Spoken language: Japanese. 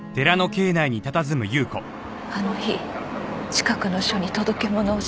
あの日近くの署に届け物をした帰りに無線で。